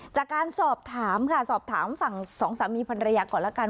จากการสอบถามค่ะสอบถามฝั่งสองสามีภรรยาก่อนแล้วกัน